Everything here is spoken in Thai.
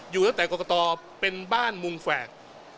อยู่ตั้งแต่กรกตเป็นบ้านมุมแฝก